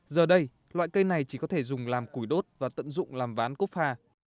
giờ đây loại cây này chỉ có thể dùng làm củi đốt và tận dụng làm ván cốt pha